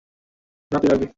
না, তুই হারবি!